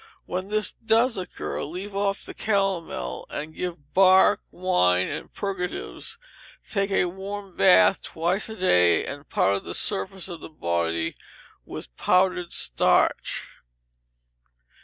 When this does occur, leave off the calomel, and give bark, wine, and purgatives; take a warm bath twice a day, and powder the surface of the body with powdered starch.